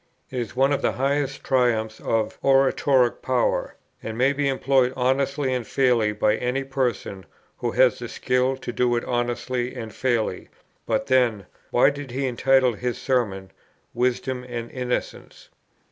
It is one of the highest triumphs of oratoric power, and may be employed honestly and fairly by any person who has the skill to do it honestly and fairly; but then, Why did he entitle his Sermon 'Wisdom and Innocence?'